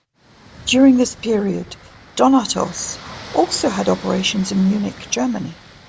During this period Donatos also had operations in Munich, Germany.